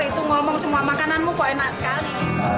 itu ngomong semua makananmu kok enak sekali